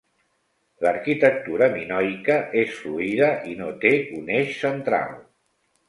L'arquitectura minoica és fluida i no té un eix central.